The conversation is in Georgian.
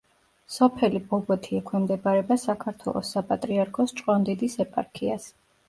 სოფელი ბობოთი ექვემდებარება საქართველოს საპატრიარქოს ჭყონდიდის ეპარქიას.